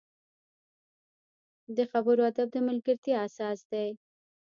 د خبرو ادب د ملګرتیا اساس دی